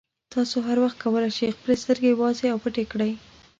تاسې هر وخت کولای شئ خپلې سترګې وازې او پټې کړئ.